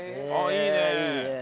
いいね。